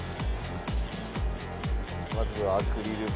まずアクリル板。